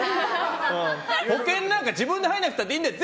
保険なんか自分で入らなくたっていいんだよ！